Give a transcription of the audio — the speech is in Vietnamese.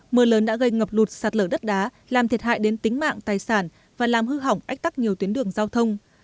mưa lớn đã gây ngập lụt sạt lở đất đá làm thiệt hại đến tính mạng tài sản và làm hư hỏng ách tắc nhiều tuyến đường giao thông